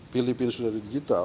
filipina sudah digital